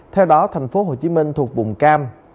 theo đó thành phố hồ chí minh thuộc vùng cam